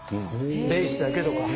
ベースだけとか。